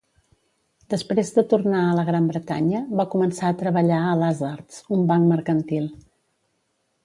Després de tornar a la Gran Bretanya, va començar a treballar a Lazards, un banc mercantil.